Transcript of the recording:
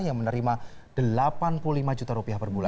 yang menerima delapan puluh lima juta rupiah per bulan